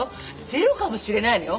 ゼロかもしれないのよ。